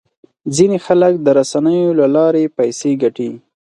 ځینې خلک د رسنیو له لارې پیسې ګټي.